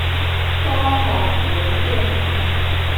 科學館徑